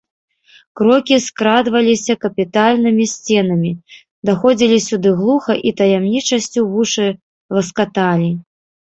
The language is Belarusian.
Крокі скрадваліся капітальнымі сценамі, даходзілі сюды глуха і таямнічасцю вушы ласкаталі.